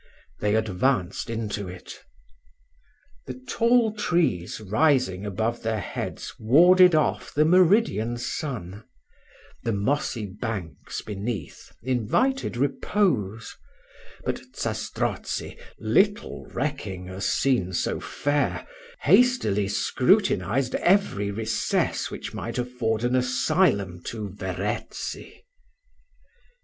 They advanced into it. The tall trees rising above their heads warded off the meridian sun; the mossy banks beneath invited repose: but Zastrozzi, little recking a scene so fair, hastily scrutinised every recess which might afford an asylum to Verezzi.